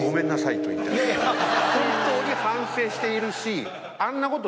本当に反省しているし。